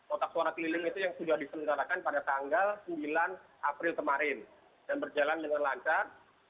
kotak suara keliling itu yang sudah diselenggarakan pada tanggal sembilan april kemarin dan berjalan dengan lancar